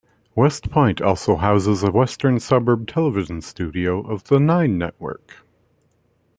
Westpoint also houses a western suburb television studio of the Nine Network.